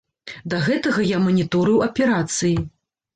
Да гэтага я маніторыў аперацыі.